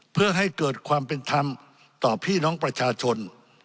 เพื่อให้เกิดความเป็นธรรมต่อพี่น้องประชาชน